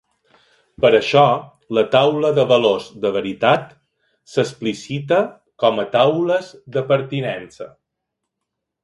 Per això, la taula de valors de veritat s'explicita com a taules de pertinença.